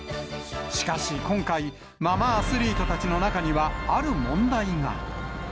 しかし今回、ママアスリートたちの中にはある問題が。